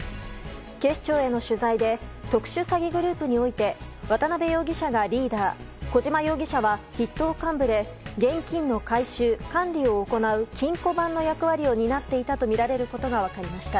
警視庁への取材で特殊詐欺グループにおいて渡辺容疑者がリーダー小島容疑者は筆頭幹部で現金の回収・管理を行う金庫番の役割を担っていたとみられることが分かりました。